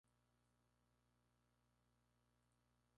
El auditorio tiene forma de herradura con varios pisos y palcos.